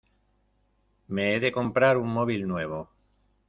Me he de comprar un móvil nuevo.